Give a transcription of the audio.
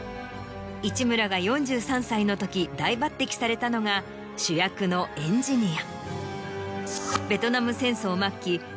市村が４３歳のとき大抜てきされたのが主役のエンジニア。